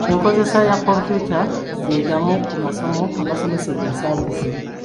Enkozesa ya kompyuta ge gamu ku masomo agasomesebwa ensangi zino.